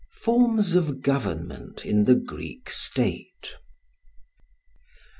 Forms of Government in the Greek State.